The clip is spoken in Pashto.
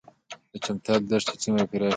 چمتال دښتې څومره پراخې دي؟